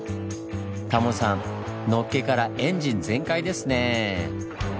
タモさんのっけからエンジン全開ですね！